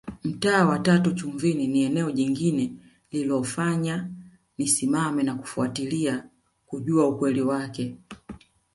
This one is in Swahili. Mtaa wa tatu Chumvini ni eneo jingine lililofanya nisimame na kufatilia kujua ukweli wake